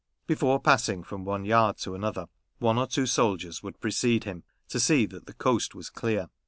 Before passing from one yard to another, one or two soldiers would precede him, to see that the coast was clear.